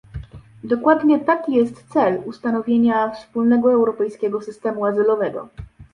Dokładnie taki jest cel ustanowienia wspólnego europejskiego systemu azylowego